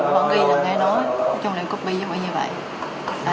cũng ghi là nghe nói trong lệnh copy như vậy